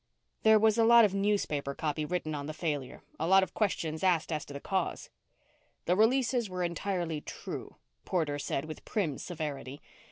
"There was a lot of newspaper copy written on the failure; a lot of questions asked as to the cause." "The releases were entirely true," Porter said with prim severity.